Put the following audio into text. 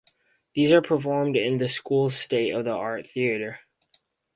These are performed in the school's state of the art theatre.